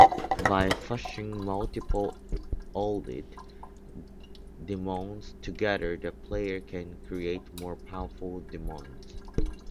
By fusing multiple allied demons together, the player can create more powerful demons.